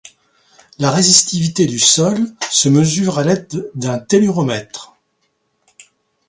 La résistivité du sol se mesure à l'aide d'un telluromètre.